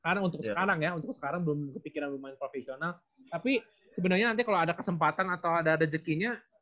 karena untuk sekarang ya untuk sekarang belum kepikiran main profesional tapi sebenernya nanti kalo ada kesempatan atau ada rezekinya